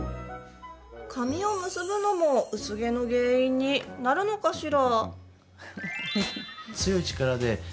髪を結ぶのも薄毛の原因になるのかしら？